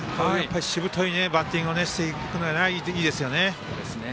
しぶといバッティングをしていくのは、いいですよね。